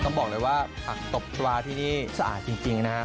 ต้องบอกเลยว่าผักตบปลาที่นี่สะอาดจริงนะฮะ